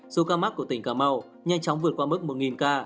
số ca mắc của tỉnh cà mau nhanh chóng vượt qua mức một ca